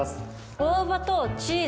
大葉とチーズ。